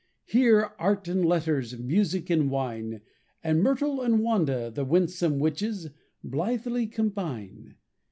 Here Art and Letters, Music and wine, And Myrtle and Wanda, The winsome witches, Blithely combine.